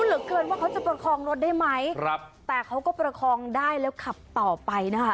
เหลือเกินว่าเขาจะประคองรถได้ไหมครับแต่เขาก็ประคองได้แล้วขับต่อไปนะคะ